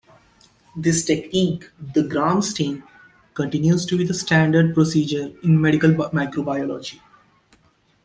This technique, the Gram stain, continues to be a standard procedure in medical microbiology.